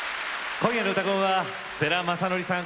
今夜の「うたコン」は世良公則さん